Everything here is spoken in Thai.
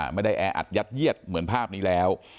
ไม่ได้แออัดยัดเยียดเหมือนภาพนี้แล้ว